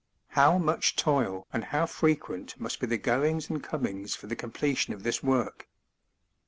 How much toil and how frequent must be the goings and comings for the completion of this work!